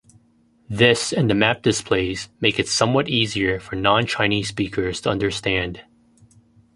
This and the map displays make it somewhat easier for non-Chinese speakers to understand.